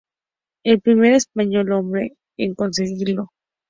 El primer español hombre en conseguirlo